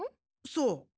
そう。